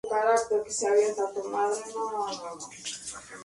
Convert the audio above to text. Este instrumento es uno de los más característicos instrumentos de la música country.